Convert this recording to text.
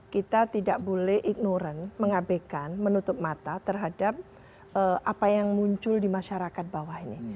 kita tidak boleh ignoran mengabekan menutup mata terhadap apa yang muncul di masyarakat bawah ini